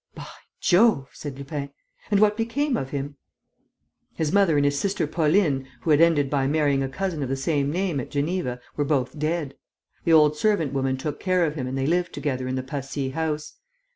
"By Jove!" said Lupin. "And what became of him?" "His mother and his sister Pauline, who had ended by marrying a cousin of the same name at Geneva, were both dead. The old servant woman took care of him and they lived together in the Passy house.